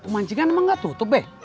mancingan emang gak tutup deh